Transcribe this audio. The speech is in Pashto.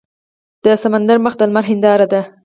د سمندر مخ د لمر هینداره